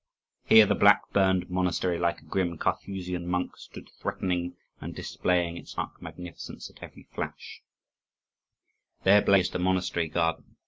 Here the black, burned monastery like a grim Carthusian monk stood threatening, and displaying its dark magnificence at every flash; there blazed the monastery garden.